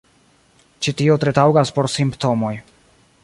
Ĉi tio tre taŭgas por Simptomoj.